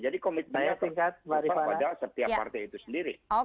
jadi komitmennya terupaya pada setiap partai itu sendiri